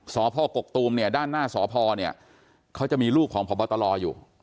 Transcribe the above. สพกกตูมเนี่ยด้านหน้าสพเนี่ยเขาจะมีลูกของพบตรอยู่